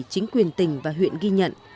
chính quyền tỉnh và huyện ghi nhận